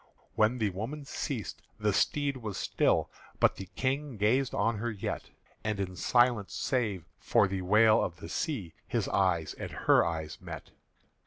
When the woman ceased, the steed was still, But the King gazed on her yet, And in silence save for the wail of the sea His eyes and her eyes met.